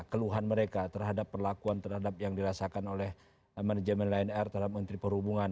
keluhan mereka terhadap perlakuan terhadap yang dirasakan oleh manajemen lion air terhadap menteri perhubungan